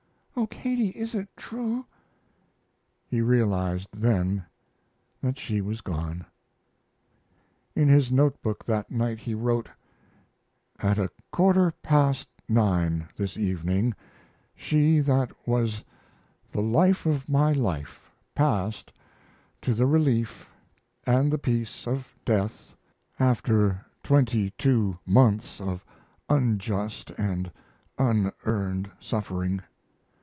Oh, Katie, is it true?" He realized then that she was gone. In his note book that night he wrote: At a quarter past 9 this evening she that was the life of my life passed to the relief & the peace of death after as months of unjust & unearned suffering.